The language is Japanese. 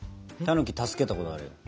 たぬき助けたことある。